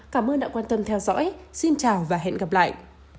cảm ơn đã quan tâm theo dõi xin chào và hẹn gặp lại